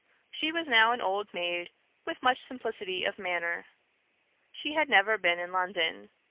She was now an old maid, with much simplicity of manner. She had never been in London.